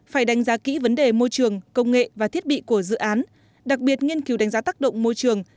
phải đánh giá kỹ vấn đề môi trường công nghệ và thiết bị của dự án đặc biệt nghiên cứu đánh giá tác động môi trường